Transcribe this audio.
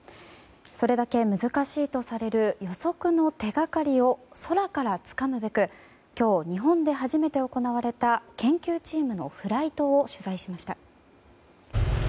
それだけ難しいとされる予測の手がかりを空からつかむべく今日、日本で初めて行われた研究チームのフライトを取材しました。